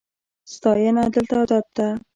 ستاینه دلته عادت ده.